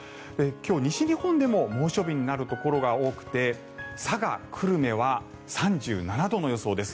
今日、西日本でも猛暑日になるところが多くて佐賀・久留米は３７度の予想です。